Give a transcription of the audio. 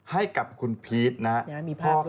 ให้กับคุณพีชนะครับ